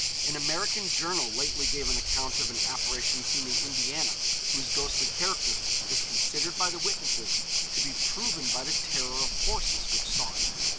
An American journal lately gave an account of an apparition seen in Indiana, whose ghostly character was considered by the witnesses to be proven by the terror of horses which saw it.